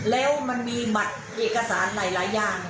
แล้วมันมีบัตรเอกสารหลายอย่าง